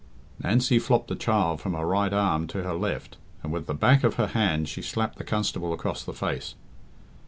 Nancy flopped the child from her right arm to her left, and with the back of her hand she slapped the constable across the face.